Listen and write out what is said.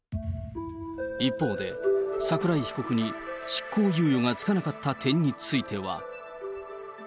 一方で、桜井被告に執行猶予が付かなかった点については。